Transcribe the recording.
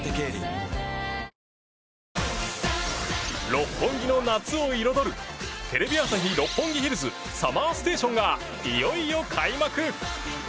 六本木の夏を彩るテレビ朝日・六本木ヒルズＳＵＭＭＥＲＳＴＡＴＩＯＮがいよいよ開幕！